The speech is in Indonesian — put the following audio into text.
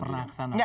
nggak pernah kesana